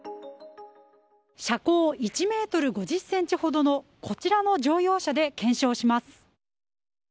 車高１ｍ５０ｃｍほどのこちらの乗用車で検証します。